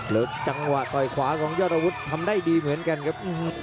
แล้วจังหวะต่อยขวาของยอดอาวุธทำได้ดีเหมือนกันครับ